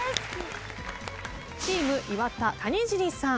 チーム岩田谷尻さん。